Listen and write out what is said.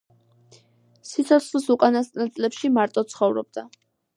სიცოცხლის უკანასკნელ წლებში მარტო ცხოვრობდა.